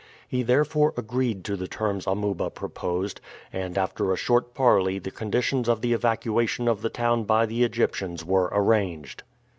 He therefore agreed to the terms Amuba proposed, and after a short parley the conditions of the evacuation of the town by the Egyptians were arranged.